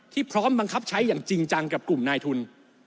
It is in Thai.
พร้อมบังคับใช้อย่างจริงจังกับกลุ่มนายทุน